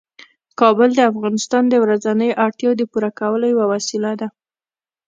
کابل د افغانانو د ورځنیو اړتیاوو د پوره کولو یوه وسیله ده.